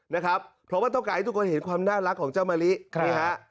นะครับเพราะว่าต้องการให้ทุกคนเห็นความน่ารักของเจ้ามะลินี่ฮะ